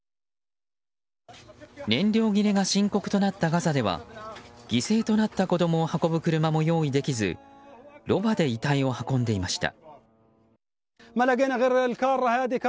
燃料切れが深刻となったガザでは犠牲となった子供を運ぶ車も用意できずロバで遺体を運んでいました。